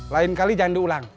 lain kali jangan diulang